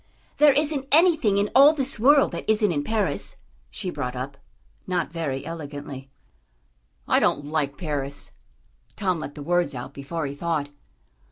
"There isn't anything in all this world that isn't in Paris," she brought up, not very elegantly. "I don't like Paris." Tom let the words out before he thought.